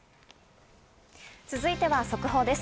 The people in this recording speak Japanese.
続いては速報です。